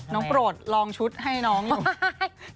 น้องปลดลองชุดให้น้องอยู่